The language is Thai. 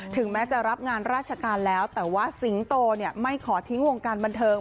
ถึงแม้จะรับงานราชการแล้วแต่ว่าสิงโตไม่ขอทิ้งวงการบันเทิง